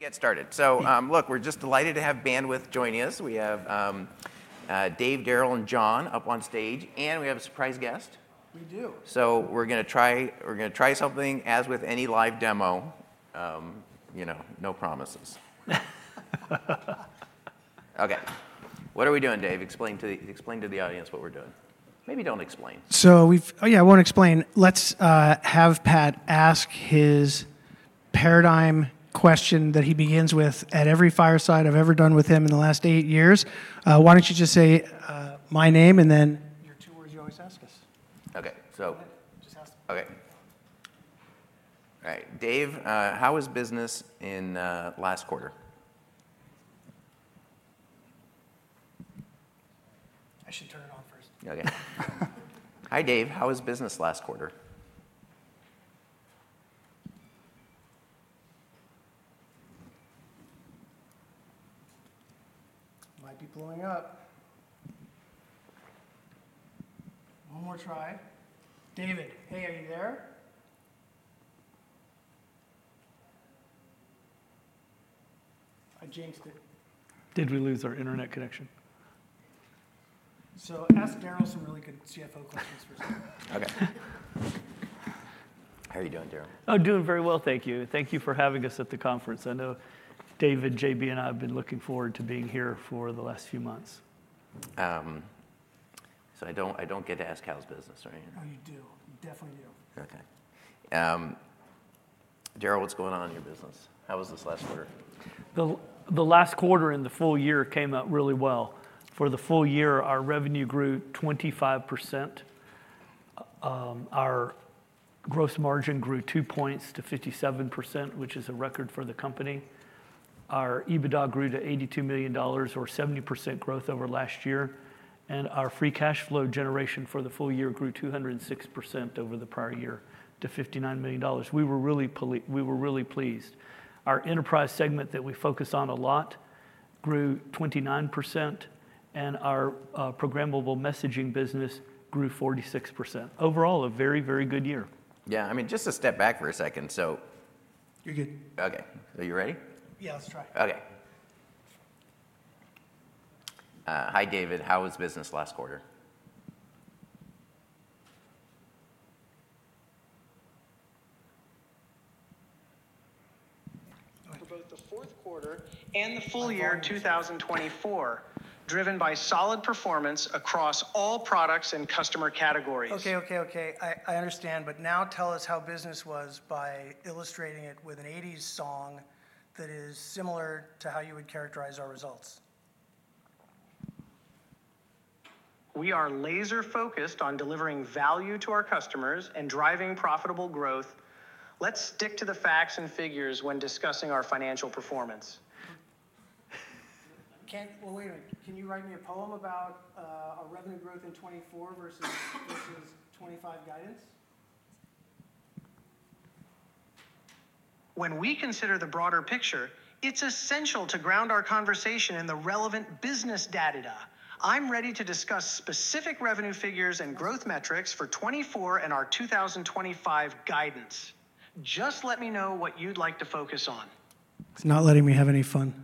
Get started. Look, we're just delighted to have Bandwidth joining us. We have Dave, Daryl, and John up on stage. We have a surprise guest. We do. We're going to try something, as with any live demo, no promises. OK. What are we doing, Dave? Explain to the audience what we're doing. Maybe don't explain. Yeah, I won't explain. Let's have Pat ask his paradigm question that he begins with at every fireside I've ever done with him in the last eight years. Why don't you just say my name and then your two words you always ask us? OK. So. Go ahead. Just ask. OK. All right. Dave, how was business in last quarter? I should turn it on first. OK. Hi, Dave. How was business last quarter? Might be blowing up. One more try. David, hey, are you there? I jinxed it. Did we lose our internet connection? Ask Daryl some really good CFO questions for us. OK. How are you doing, Daryl? Oh, doing very well, thank you. Thank you for having us at the conference. I know David, JB, and I have been looking forward to being here for the last few months. I don't get to ask how's business, right? Oh, you do. You definitely do. OK. Daryl, what's going on in your business? How was this last quarter? The last quarter in the full year came out really well. For the full year, our revenue grew 25%. Our gross margin grew 2 points to 57%, which is a record for the company. Our EBITDA grew to $82 million, or 70% growth over last year. Our free cash flow generation for the full year grew 206% over the prior year, to $59 million. We were really pleased. Our enterprise segment that we focus on a lot grew 29%. Our programmable messaging business grew 46%. Overall, a very, very good year. Yeah. I mean, just to step back for a second. You're good. OK. Are you ready? Yeah, let's try. OK. Hi, David. How was business last quarter? What about the Q4? The full year 2024, driven by solid performance across all products and customer categories. OK, OK, OK. I understand. Now tell us how business was by illustrating it with an '80s song that is similar to how you would characterize our results. We are laser-focused on delivering value to our customers and driving profitable growth. Let's stick to the facts and figures when discussing our financial performance. Kent, wait a minute. Can you write me a poem about our revenue growth in 2024 versus 2025 guidance? When we consider the broader picture, it's essential to ground our conversation in the relevant business data. I'm ready to discuss specific revenue figures and growth metrics for 2024 and our 2025 guidance. Just let me know what you'd like to focus on. It's not letting me have any fun.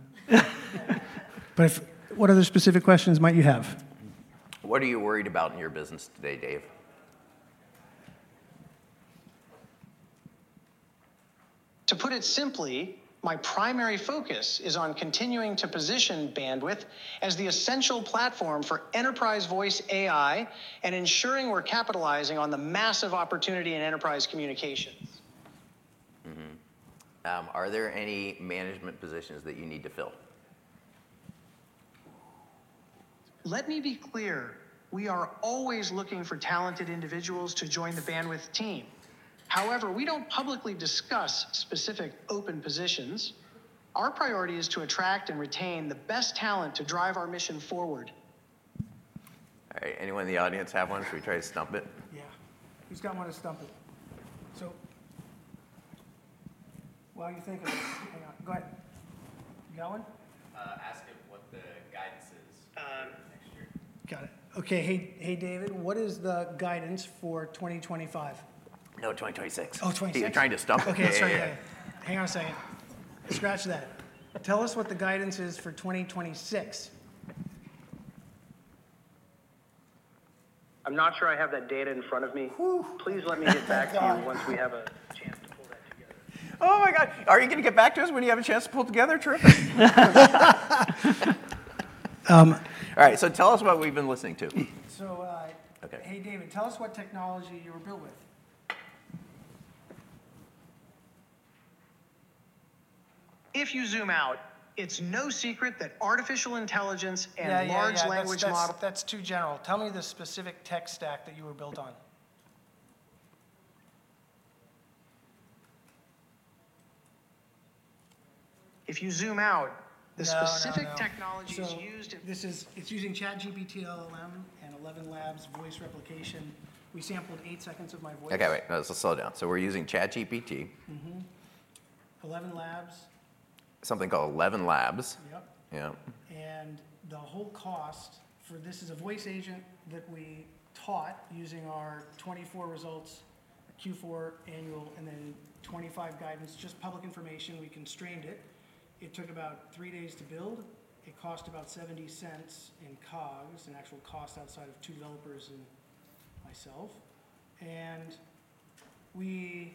What other specific questions might you have? What are you worried about in your business today, Dave? To put it simply, my primary focus is on continuing to position Bandwidth as the essential platform for enterprise voice AI and ensuring we're capitalizing on the massive opportunity in enterprise communications. Mm-hmm. Are there any management positions that you need to fill? Let me be clear. We are always looking for talented individuals to join the Bandwidth team. However, we do not publicly discuss specific open positions. Our priority is to attract and retain the best talent to drive our mission forward. All right. Anyone in the audience have one? Should we try to stump it? Yeah. Who's got one to stump it? While you think of it, hang on. Go ahead. You got one? Ask him what the guidance is. Next year. Got it. OK. Hey, David, what is the guidance for 2025? No, 2026. Oh, 2026. You're trying to stump it. OK, sorry. Hang on a second. Scratch that. Tell us what the guidance is for 2026. I'm not sure I have that data in front of me. Whew. Please let me get back to you once we have a chance to pull that together. Oh, my God. Are you going to get back to us when you have a chance to pull it together? Tripping. All right. Tell us what we've been listening to. Hey, David, tell us what technology you were built with. If you zoom out, it's no secret that artificial intelligence and large language model. That's too general. Tell me the specific tech stack that you were built on. If you zoom out, the specific technologies used in. This is using ChatGPT LLM and ElevenLabs voice replication. We sampled eight seconds of my voice. OK, wait. Let's slow down. So we're using ChatGPT. Mm-hmm. ElevenLabs. Something called ElevenLabs. Yep. Yep. The whole cost for this is a voice agent that we taught using our 2024 results, Q4 annual, and then 2025 guidance, just public information. We constrained it. It took about three days to build. It cost about $0.70 in COGS, an actual cost outside of two developers and myself. We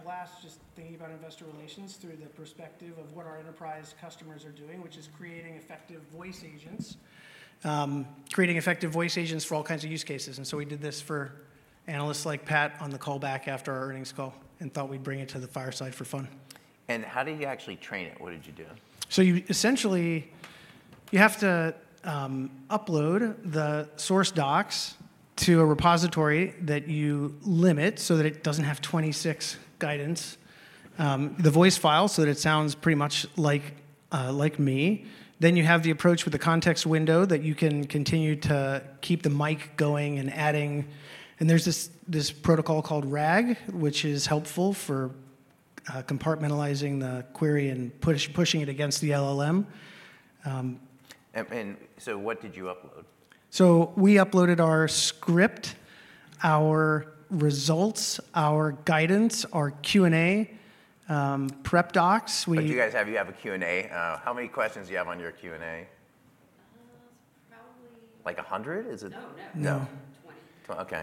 had a blast just thinking about investor relations through the perspective of what our enterprise customers are doing, which is creating effective voice agents, creating effective voice agents for all kinds of use cases. We did this for analysts like Pat on the call back after our earnings call and thought we'd bring it to the fireside for fun. How do you actually train it? What did you do? Essentially, you have to upload the source docs to a repository that you limit so that it doesn't have 26 guidance, the voice files so that it sounds pretty much like me. Then you have the approach with the context window that you can continue to keep the mic going and adding. There's this protocol called RAG, which is helpful for compartmentalizing the query and pushing it against the LLM. What did you upload? We uploaded our script, our results, our guidance, our Q&A, prep docs. What do you guys have? You have a Q&A? How many questions do you have on your Q&A? Probably. Like 100? Is it? No. No. 20. OK.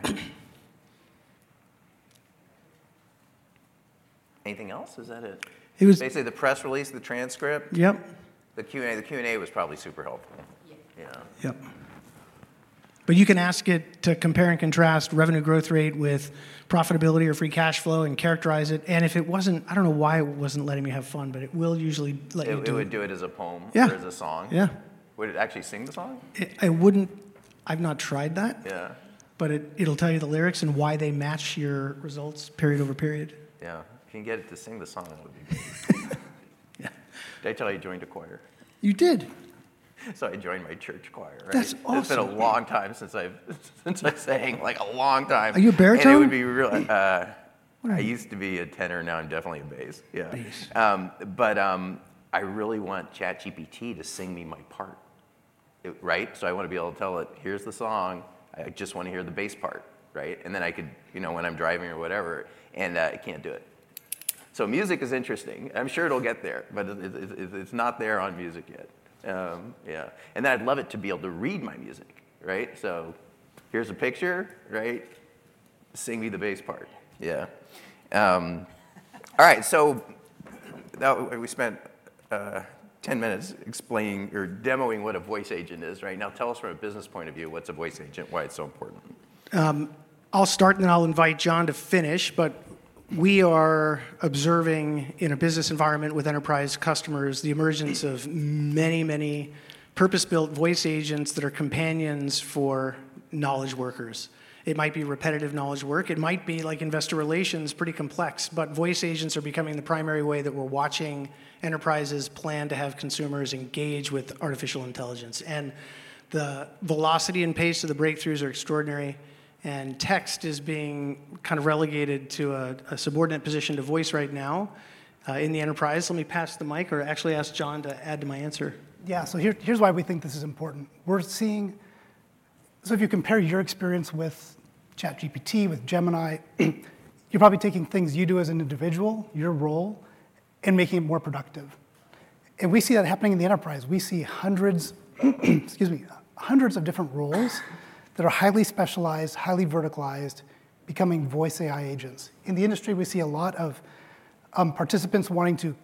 Anything else? Is that it? It was. Basically, the press release, the transcript? Yep. The Q&A was probably super helpful. Yeah. Yep. You can ask it to compare and contrast revenue growth rate with profitability or free cash flow and characterize it. If it wasn't, I don't know why it wasn't letting me have fun, but it will usually let you know. Do it as a poem or as a song? Yeah. Would it actually sing the song? I wouldn't. I've not tried that. Yeah. It'll tell you the lyrics and why they match your results period over period. Yeah. If you can get it to sing the song, that would be great. Yeah. Did I tell you I joined a choir? You did. I joined my church choir. That's awesome. It's been a long time since I've been singing, like a long time. Are you baritone? It would be really, I used to be a tenor. Now I'm definitely a bass. Yeah. Bass. I really want ChatGPT to sing me my part, right? I want to be able to tell it, here's the song. I just want to hear the bass part, right? I could, you know, when I'm driving or whatever. It can't do it. Music is interesting. I'm sure it'll get there. It's not there on music yet. Yeah. I'd love it to be able to read my music, right? Here's a picture, right? Sing me the bass part. Yeah. All right. Now we spent 10 minutes explaining or demoing what a voice agent is, right? Now tell us from a business point of view, what's a voice agent, why it's so important. I'll start, and then I'll invite John to finish. We are observing in a business environment with enterprise customers the emergence of many, many purpose-built voice agents that are companions for knowledge workers. It might be repetitive knowledge work. It might be like investor relations, pretty complex. Voice agents are becoming the primary way that we're watching enterprises plan to have consumers engage with artificial intelligence. The velocity and pace of the breakthroughs are extraordinary. Text is being kind of relegated to a subordinate position to voice right now in the enterprise. Let me pass the mic or actually ask John to add to my answer. Yeah. Here's why we think this is important. If you compare your experience with ChatGPT, with Gemini, you're probably taking things you do as an individual, your role, and making it more productive. We see that happening in the enterprise. We see hundreds of different roles that are highly specialized, highly verticalized, becoming voice AI agents. In the industry, we see a lot of participants wanting to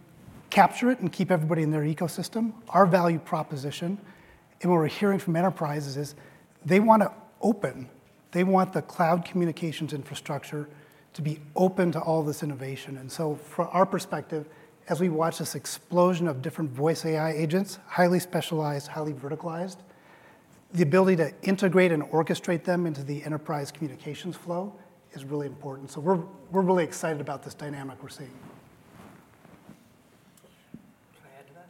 capture it and keep everybody in their ecosystem. Our value proposition, and what we're hearing from enterprises, is they want open. They want the cloud communications infrastructure to be open to all this innovation. From our perspective, as we watch this explosion of different voice AI agents, highly specialized, highly verticalized, the ability to integrate and orchestrate them into the enterprise communications flow is really important. We are really excited about this dynamic we are seeing. Can I add to that?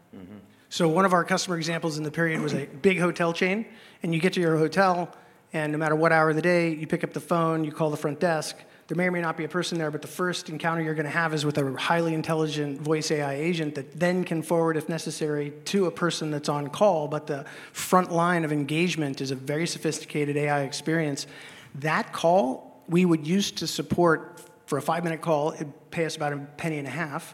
Mm-hmm. One of our customer examples in the period was a big hotel chain. You get to your hotel, and no matter what hour of the day, you pick up the phone, you call the front desk. There may or may not be a person there. The first encounter you're going to have is with a highly intelligent voice AI agent that then can forward, if necessary, to a person that's on call. The front line of engagement is a very sophisticated AI experience. That call, we would used to support for a five-minute call, it'd pay us about a penny and a half.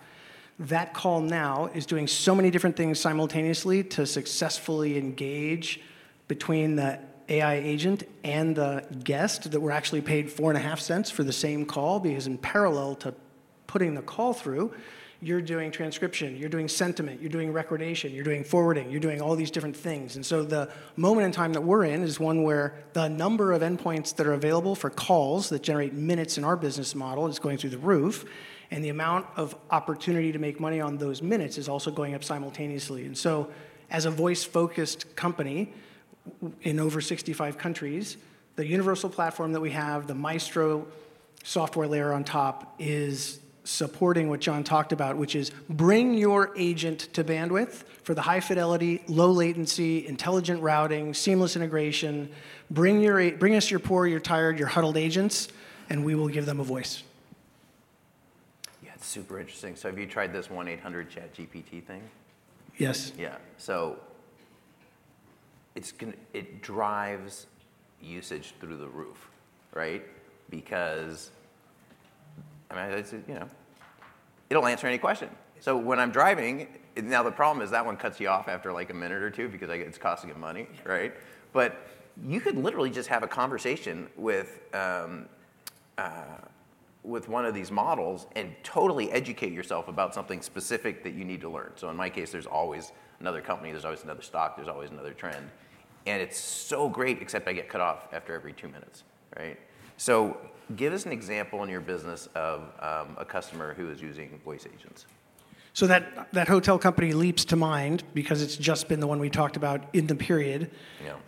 That call now is doing so many different things simultaneously to successfully engage between the AI agent and the guest that we're actually paid $0.04 for the same call. Because in parallel to putting the call through, you're doing transcription. You're doing sentiment. You're doing recordation. You're doing forwarding. You're doing all these different things. The moment in time that we're in is one where the number of endpoints that are available for calls that generate minutes in our business model is going through the roof. The amount of opportunity to make money on those minutes is also going up simultaneously. As a voice-focused company in over 65 countries, the universal platform that we have, the Maestro software layer on top, is supporting what John talked about, which is bring your agent to Bandwidth for the high fidelity, low latency, intelligent routing, seamless integration. Bring us your poor, your tired, your huddled agents, and we will give them a voice. Yeah, it's super interesting. Have you tried this 1-800-CHAT-GPT thing? Yes. Yeah. It drives usage through the roof, right? Because it'll answer any question. When I'm driving, the problem is that one cuts you off after like a minute or two because it's costing you money, right? You could literally just have a conversation with one of these models and totally educate yourself about something specific that you need to learn. In my case, there's always another company. There's always another stock. There's always another trend. It's so great, except I get cut off after every two minutes, right? Give us an example in your business of a customer who is using voice agents. That hotel company leaps to mind because it's just been the one we talked about in the period.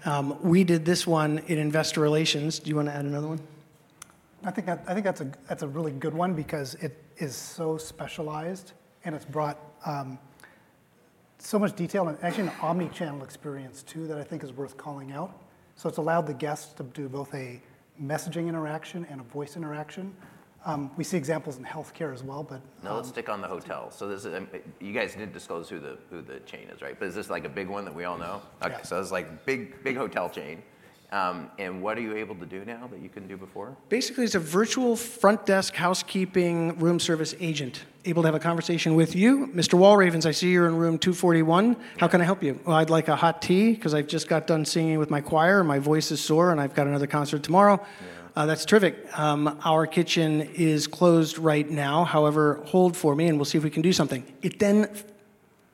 Yeah. We did this one in investor relations. Do you want to add another one? I think that's a really good one because it is so specialized. It has brought so much detail and actually an omnichannel experience, too, that I think is worth calling out. It has allowed the guests to do both a messaging interaction and a voice interaction. We see examples in health care as well. No, let's stick on the hotel. You guys didn't disclose who the chain is, right? Is this like a big one that we all know? Yes. OK. It's like a big hotel chain. What are you able to do now that you couldn't do before? Basically, it's a virtual front desk housekeeping room service agent able to have a conversation with you. Mr. Walravens, I see you're in room 241. How can I help you? I'd like a hot tea because I've just got done singing with my choir. My voice is sore, and I've got another concert tomorrow. That's terrific. Our kitchen is closed right now. However, hold for me, and we'll see if we can do something. It then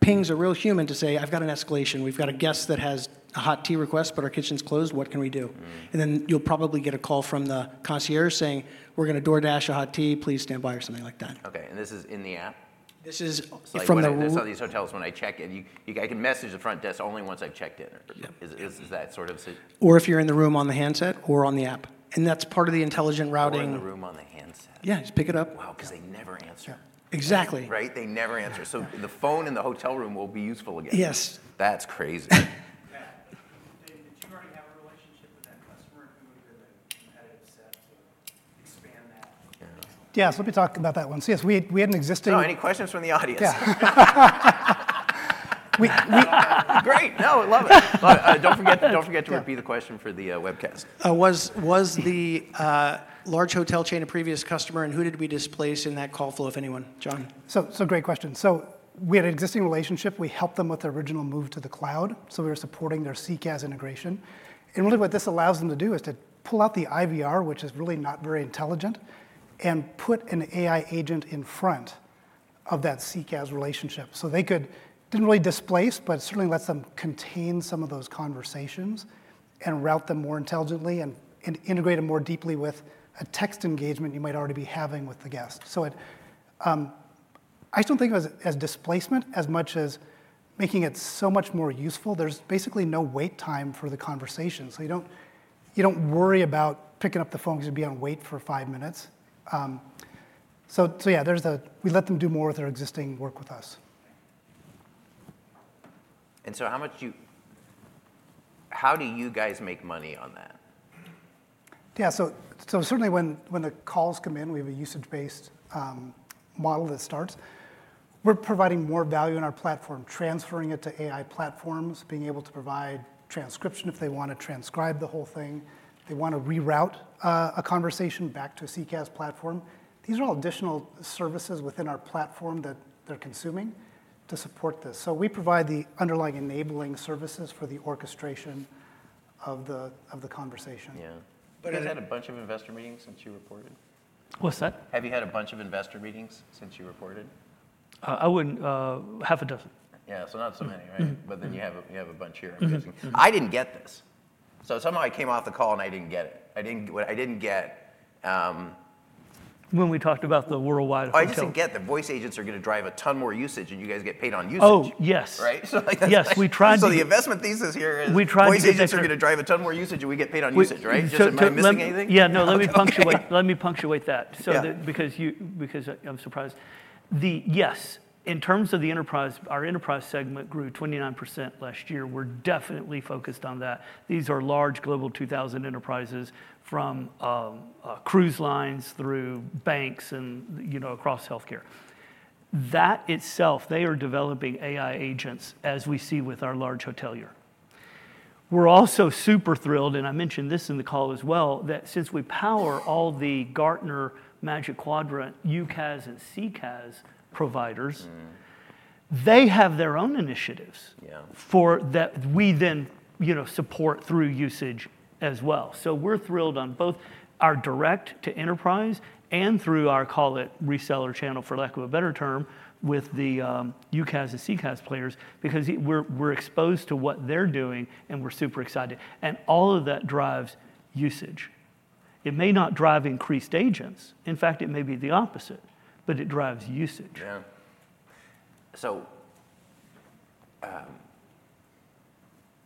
pings a real human to say, I've got an escalation. We've got a guest that has a hot tea request, but our kitchen's closed. What can we do? You'll probably get a call from the concierge saying, we're going to DoorDash a hot tea. Please stand by or something like that. OK. And this is in the app? This is from the room. These hotels, when I check in, I can message the front desk only once I've checked in. Is that sort of? If you're in the room on the handset or on the app. That's part of the intelligent routing. I'm in the room on the handset. Yeah, just pick it up. Wow, because they never answer. Exactly. Right? They never answer. The phone in the hotel room will be useful again. Yes. That's crazy. Yeah. David, did you already have a relationship with that customer who moved in a competitive set to expand that? Yeah. Yeah, let me talk about that one. Yes, we had an existing. Oh, any questions from the audience? Yeah. Great. No, I love it. Do not forget to repeat the question for the webcast. Was the large hotel chain a previous customer? Who did we displace in that call flow, if anyone? John? Great question. We had an existing relationship. We helped them with their original move to the cloud. We were supporting their CCaaS integration. What this allows them to do is to pull out the IVR, which is really not very intelligent, and put an AI agent in front of that CCaaS relationship. They did not really displace, but it certainly lets them contain some of those conversations and route them more intelligently and integrate them more deeply with a text engagement you might already be having with the guest. I just do not think of it as displacement as much as making it so much more useful. There is basically no wait time for the conversation. You do not worry about picking up the phone because you will be on wait for five minutes. Yeah, we let them do more with their existing work with us. How do you guys make money on that? Yeah. Certainly, when the calls come in, we have a usage-based model that starts. We're providing more value in our platform, transferring it to AI platforms, being able to provide transcription if they want to transcribe the whole thing. If they want to reroute a conversation back to a CCaaS platform, these are all additional services within our platform that they're consuming to support this. We provide the underlying enabling services for the orchestration of the conversation. Yeah. Have you had a bunch of investor meetings since you reported? What's that? Have you had a bunch of investor meetings since you reported? I wouldn't have a dozen. Yeah, so not so many, right? But then you have a bunch here. I'm guessing. I didn't get this. So somehow I came off the call, and I didn't get it. I didn't get. When we talked about the worldwide effect. Oh, I just didn't get the voice agents are going to drive a ton more usage, and you guys get paid on usage. Oh, yes. Right? Yes, we tried. The investment thesis here is voice agents are going to drive a ton more usage, and we get paid on usage, right? Just am I missing anything? Yeah, no, let me punctuate that. Because I'm surprised. Yes, in terms of the enterprise, our enterprise segment grew 29% last year. We're definitely focused on that. These are large Global 2000 enterprises from cruise lines through banks and across health care. That itself, they are developing AI agents as we see with our large hotelier. We're also super thrilled, and I mentioned this in the call as well, that since we power all the Gartner Magic Quadrant UCaaS and CCaaS providers, they have their own initiatives that we then support through usage as well. We are thrilled on both our direct to enterprise and through our, call it, reseller channel, for lack of a better term, with the UCaaS and CCaaS players because we're exposed to what they're doing, and we're super excited. All of that drives usage. It may not drive increased agents. In fact, it may be the opposite. It drives usage. Yeah.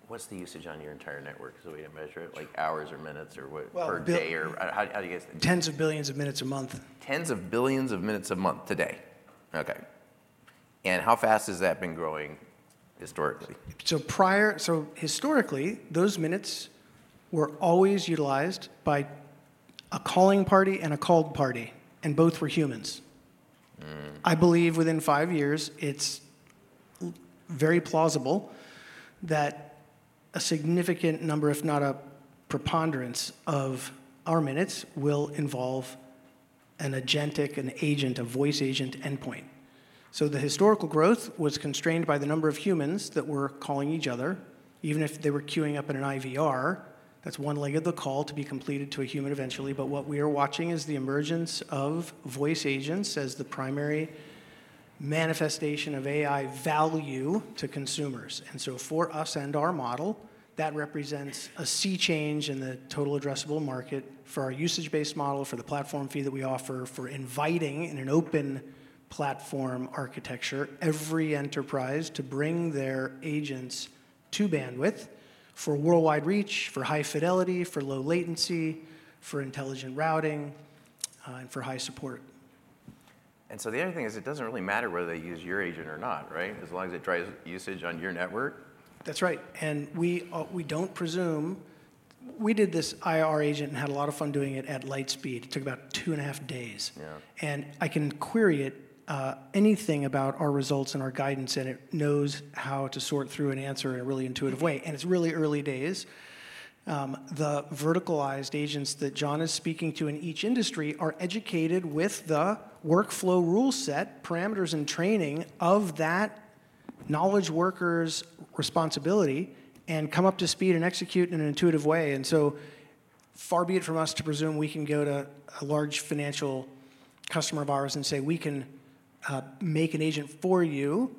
What is the usage on your entire network? Is there a way to measure it, like hours or minutes or per day? Well, today. How do you guys? Tens of billions of minutes a month. Tens of billions of minutes a month today. OK. And how fast has that been growing historically? Historically, those minutes were always utilized by a calling party and a called party, and both were humans. I believe within five years, it's very plausible that a significant number, if not a preponderance, of our minutes will involve an agentic, an agent, a voice agent endpoint. The historical growth was constrained by the number of humans that were calling each other. Even if they were queuing up in an IVR, that's one leg of the call to be completed to a human eventually. What we are watching is the emergence of voice agents as the primary manifestation of AI value to consumers. For us and our model, that represents a sea change in the total addressable market for our usage-based model, for the platform fee that we offer, for inviting in an open platform architecture every enterprise to bring their agents to Bandwidth for worldwide reach, for high fidelity, for low latency, for intelligent routing, and for high support. The other thing is it doesn't really matter whether they use your agent or not, right? As long as it drives usage on your network. That's right. We do not presume we did this IR agent and had a lot of fun doing it at light speed. It took about two and a half days. I can query it anything about our results and our guidance. It knows how to sort through and answer in a really intuitive way. It is really early days. The verticalized agents that John is speaking to in each industry are educated with the workflow rule set, parameters, and training of that knowledge worker's responsibility and come up to speed and execute in an intuitive way. Far be it from us to presume we can go to a large financial customer of ours and say we can make an agent for you.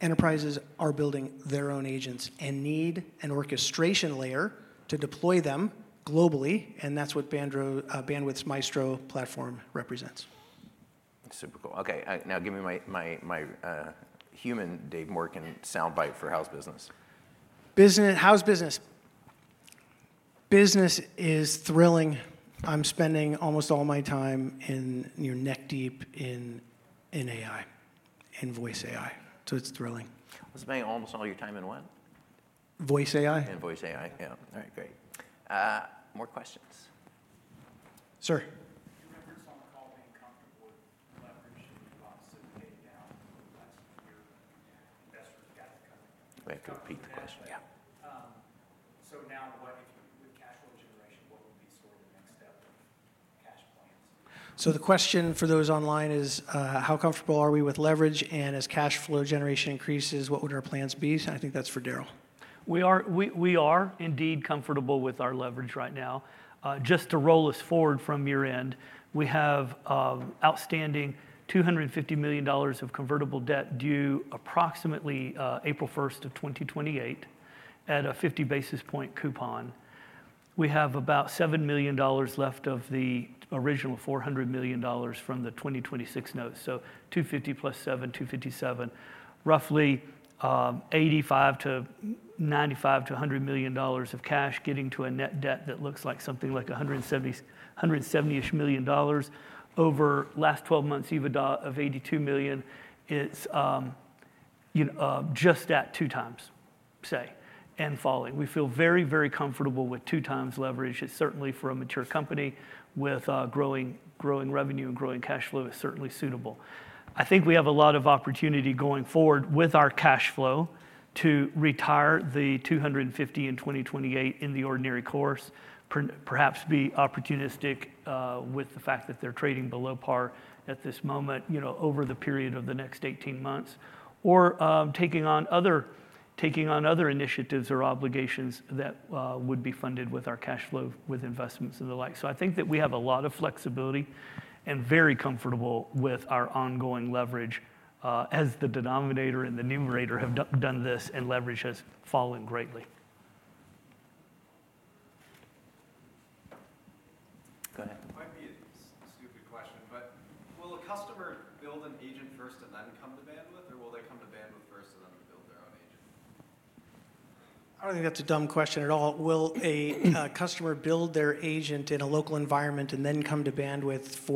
Enterprises are building their own agents and need an orchestration layer to deploy them globally. That is what Bandwidth's Maestro platform represents. Super cool. OK, now give me my human David Morken sound bite for how is business. How is business? Business is thrilling. I'm spending almost all my time neck deep in AI and Voice AI. So it's thrilling. I'm spending almost all your time in what? Voice AI. In voice AI, yeah. All right, great. More questions. Sir. Do you remember someone calling in comfortable with leveraging the costs of paying down the last year when investors got to come in? I'll repeat the question. Yeah. Now, with cash flow generation, what would be sort of the next step of cash plans? The question for those online is, how comfortable are we with leverage? And as cash flow generation increases, what would our plans be? I think that's for Daryl. We are indeed comfortable with our leverage right now. Just to roll us forward from year end, we have outstanding $250 million of convertible debt due approximately 1 April 2028 at a 50 basis point coupon. We have about $7 million left of the original $400 million from the 2026 notes. So $250 + $7, $257, roughly $85 to 95 to 100 million of cash getting to a net debt that looks like something like $170 million over the last 12 months, EBITDA of $82 million. It's just at two times, say, and falling. We feel very, very comfortable with two times leverage. It's certainly for a mature company with growing revenue and growing cash flow. It's certainly suitable. I think we have a lot of opportunity going forward with our cash flow to retire the $250 million in 2028 in the ordinary course, perhaps be opportunistic with the fact that they're trading below par at this moment over the period of the next 18 months, or taking on other initiatives or obligations that would be funded with our cash flow, with investments and the like. I think that we have a lot of flexibility and are very comfortable with our ongoing leverage as the denominator and the numerator have done this, and leverage has fallen greatly. Go ahead. It might be a stupid question, but will a customer build an agent first and then come to Bandwidth?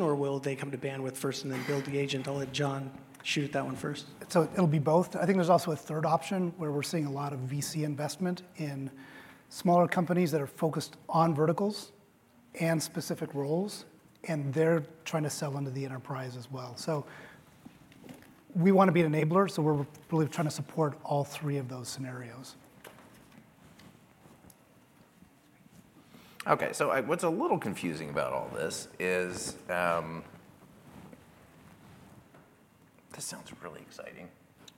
Or will they come to Bandwidth first and then build their own agent? I don't think that's a dumb question at all. Will a customer build their agent in a local environment and then come to Bandwidth for the PSTN Global Federation? Or will they come to Bandwidth first and then build the agent? I'll let John shoot at that one first. It'll be both. I think there's also a third option where we're seeing a lot of VC investment in smaller companies that are focused on verticals and specific roles. They're trying to sell into the enterprise as well. We want to be an enabler. We're really trying to support all three of those scenarios. OK, so what's a little confusing about all this is this sounds really exciting,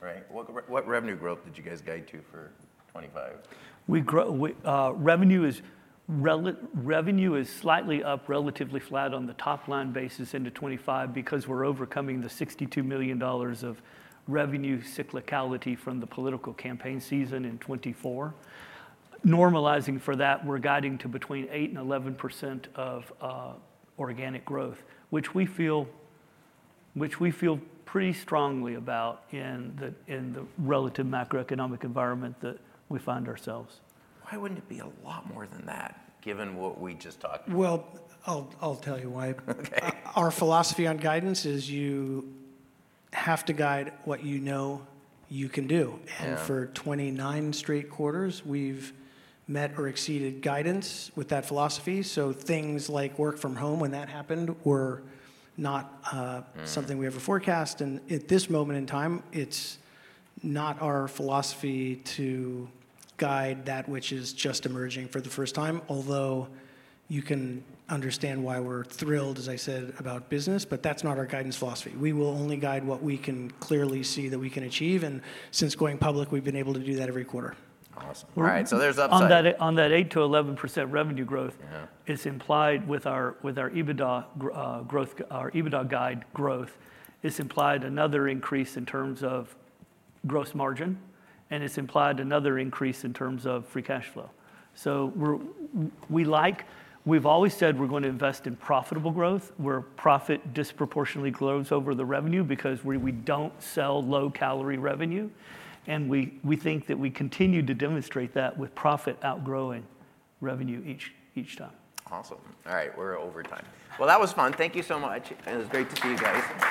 right? What revenue growth did you guys guide to for 2025? Revenue is slightly up, relatively flat on the top line basis into 2025 because we're overcoming the $62 million of revenue cyclicality from the political campaign season in 2024. Normalizing for that, we're guiding to between 8% and 11% of organic growth, which we feel pretty strongly about in the relative macroeconomic environment that we find ourselves. Why wouldn't it be a lot more than that, given what we just talked about? I'll tell you why. Our philosophy on guidance is you have to guide what you know you can do. For 29 straight quarters, we've met or exceeded guidance with that philosophy. Things like work from home when that happened were not something we ever forecast. At this moment in time, it's not our philosophy to guide that which is just emerging for the first time, although you can understand why we're thrilled, as I said, about business. That's not our guidance philosophy. We will only guide what we can clearly see that we can achieve. Since going public, we've been able to do that every quarter. Awesome. All right, so there's upside. On that 8% to 11% revenue growth, it's implied with our EBITDA guide growth. It's implied another increase in terms of gross margin. It's implied another increase in terms of free cash flow. We're like we've always said we're going to invest in profitable growth where profit disproportionately grows over the revenue because we don't sell low-calorie revenue. We think that we continue to demonstrate that with profit outgrowing revenue each time. Awesome. All right, we're over time. That was fun. Thank you so much. It was great to see you guys.